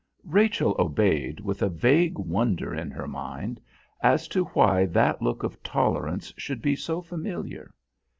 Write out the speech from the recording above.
Rachel obeyed with a vague wonder in her mind as to why that look of tolerance should be so familiar.